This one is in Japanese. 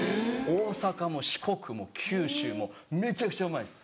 大阪も四国も九州もめちゃくちゃうまいです。